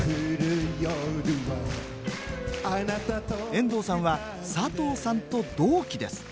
遠藤さんは佐藤さんと同期です。